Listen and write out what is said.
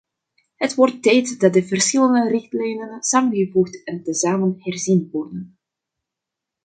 Het wordt tijd dat de verschillende richtlijnen samengevoegd en tezamen herzien worden.